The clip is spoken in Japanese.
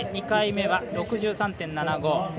２回目は６３．７５。